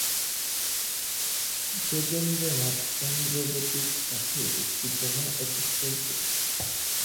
যোগেন্দ্রনাথ চক্রবর্তীর সাথে একটি বোমা ও পিস্তল ছিলো।